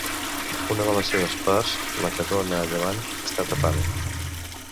Una de les seves parts, la que dóna a llevant, està tapada.